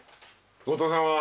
後藤さんは？